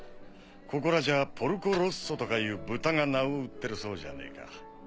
ここらじゃポルコ・ロッソとかいう豚が名を売ってるそうじゃねえか。